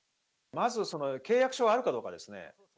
まず契約書はあるかどうかですね。